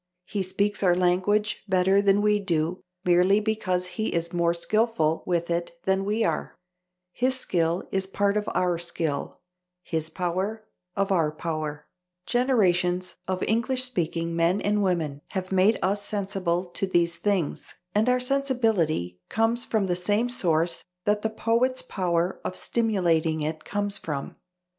He speaks our language better than we do merely because he is more skilful with it than we are; his skill is part of our skill, his power of our power; generations of English speaking men and women have made us sensible to these things, and our sensibility comes from the same source that the poet's power of stimulating it comes from.